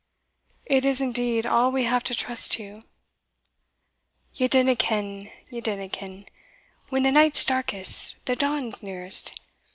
"It is indeed all we have to trust to." "Ye dinna ken ye dinna ken: when the night's darkest, the dawn's nearest.